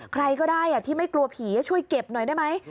ใครก็ได้ที่ไม่กลัวผีจะช่วยเก็บหน่อยได้ไหม